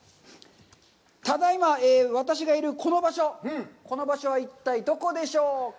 ただいま私がいるこの場所、この場所は一体どこでしょうか！